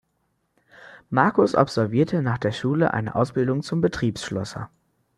Marcus absolvierte nach der Schule eine Ausbildung zum Betriebsschlosser.